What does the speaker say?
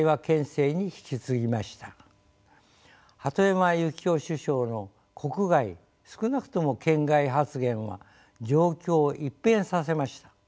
鳩山由紀夫首相の「国外少なくとも県外」発言は状況を一変させました。